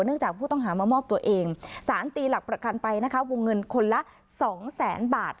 จากผู้ต้องหามามอบตัวเองสารตีหลักประกันไปนะคะวงเงินคนละสองแสนบาท